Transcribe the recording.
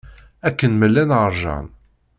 Akken ma llan ṛjan.